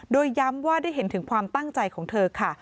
โดยย้ำว่าได้เห็นถึงความตั้งใจของเธอค่ะ